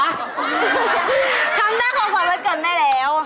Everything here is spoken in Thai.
ทำได้ของขวัญวันเกิดไม่แล้ว